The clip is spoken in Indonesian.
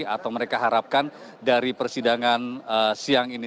atau mereka harapkan dari persidangan siang ini